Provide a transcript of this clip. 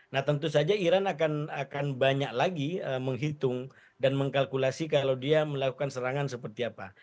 nah tentu saja iran akan banyak lagi menghitung dan mengkalkulasi kalau dia melakukan serangan seperti apa